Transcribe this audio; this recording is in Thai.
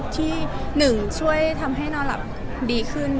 ที่หนึ่งช่วยทำให้นอนหลับดีขึ้น